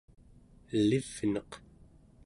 elivneq